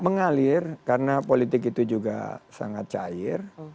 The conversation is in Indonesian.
mengalir karena politik itu juga sangat cair